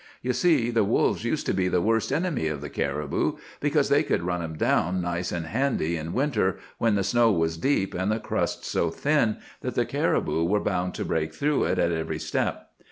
You see, the wolves used to be the worst enemy of the caribou, because they could run them down nice and handy in winter, when the snow was deep and the crust so thin that the caribou were bound to break through it at every step.